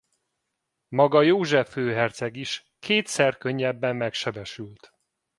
Maga József főherceg is kétszer könnyebben megsebesült.